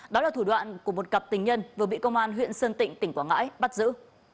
đó là thủ đoạn của một cặp tình nhân vừa bị công an huyện sơn tịnh tỉnh quảng ngãi bắt giữ